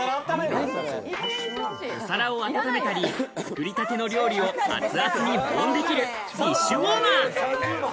お皿を温めたり、作りたての料理を熱々保温できるディッシュウォーマー。